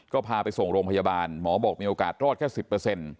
ก็พาไปส่งโรงพยาบาลหมอบอกมีโอกาสรอดแค่๑๐